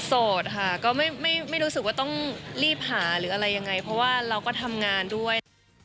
โสดค่ะก็ไม่รู้สึกว่าต้องรีบหาหรืออะไรยังไงเพราะว่าเราก็ทำงานด้วย